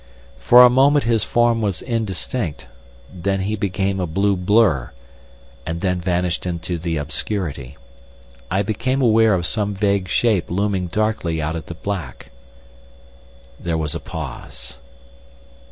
For a moment his form was distinct, then he became a blue blur, and then vanished into the obscurity. I became aware of some vague shape looming darkly out of the black. There was a pause.